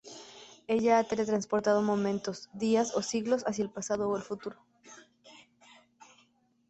Ella ha teletransportado momentos, días o siglos hacia el pasado o el futuro.